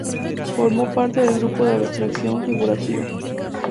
Formó parte del grupo de abstracción figurativa.